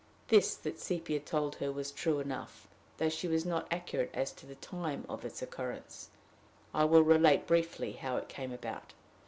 This that Sepia told her was true enough, though she was not accurate as to the time of its occurrence. I will relate briefly how it came about.